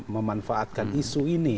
memanfaatkan isu ini